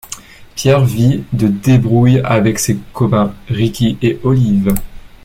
Pierre vit de débrouilles avec ses copains Ricky et Olive.